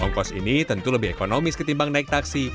ongkos ini tentu lebih ekonomis ketimbang naik taksi